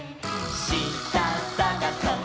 「したさがそっ！